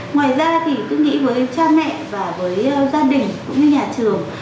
ngoài ra thì cứ nghĩ với cha mẹ và với gia đình cũng như nhà trường